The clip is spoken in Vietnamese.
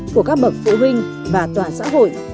của các bậc phụ huynh và tòa xã hội